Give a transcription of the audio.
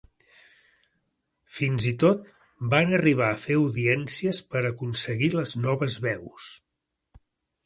Fins i tot, van arribar a fer audiències per aconseguir les noves veus.